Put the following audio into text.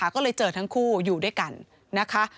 ก็เลยเจอทั้งคู่อยู่ด้วยกันนะคะ